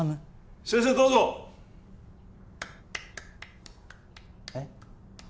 先生どうぞえっ？